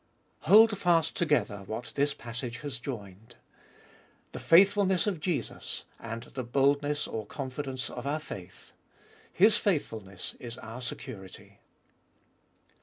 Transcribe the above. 2. Hold fast together what this passage has joined : the faithfulness of Jesus and the boldness or confidence of our faith. His faithfulness Is our security.